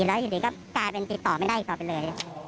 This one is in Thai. แล้วอยู่ดีก็กลายเป็นติดต่อไม่ได้อีกต่อไปเลย